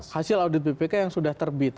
hasil audit bpk yang sudah terbit